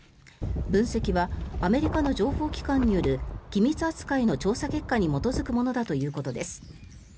分析はアメリカの情報機関による機密扱いの調査結果に基づくものだということです。